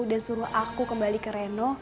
dan suruh aku kembali ke reno